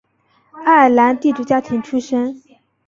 爱尔兰地主家庭出身。